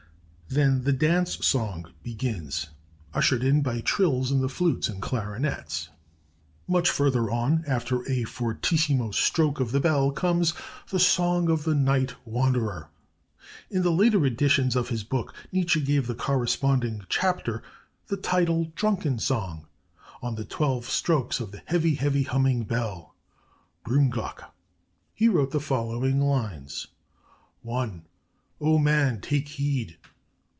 Then the 'DANCE SONG' begins, ushered in by trills in the flutes and clarinets. "Much further on, after a fortissimo stroke of the bell, comes 'THE SONG OF THE NIGHT WANDERER.' In the later editions of his book Nietzsche gave the corresponding chapter the title, 'Drunken Song.' On the twelve strokes of the 'heavy, heavy humming bell (Brummglocke),' he wrote the following lines: "'ONE! "'O Man, take heed!'